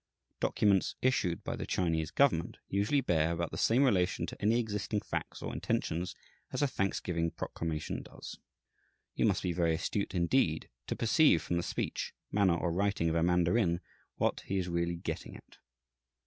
Documents issued by the Chinese government usually bear about the same relation to any existing facts or intentions as a Thanksgiving proclamation does. You must be very astute, indeed, to perceive from the speech, manner, or writing of a mandarin what he is really getting at.